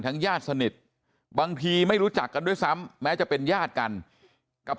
ญาติสนิทบางทีไม่รู้จักกันด้วยซ้ำแม้จะเป็นญาติกันกับ